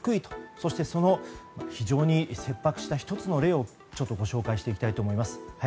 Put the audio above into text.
そして、その非常に切迫した１つの例をご紹介していきたいと思います。